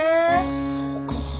そうか。